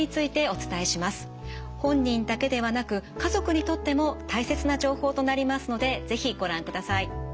本人だけではなく家族にとっても大切な情報となりますので是非ご覧ください。